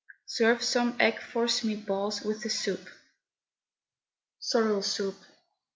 Serve some egg force meat balls with the soup. SORREL SOUP.